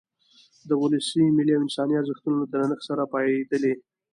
د ولسي، ملي او انساني ارزښتونو له درنښت سره پاېدلی.